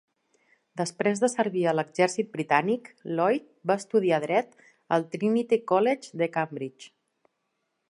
Després de servir a l'exèrcit britànic, Lloyd va estudiar dret al Trinity College de Cambridge.